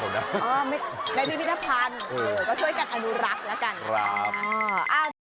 ได้พิพิธภัณฑ์ก็ช่วยกันอนุรักษ์แล้วกัน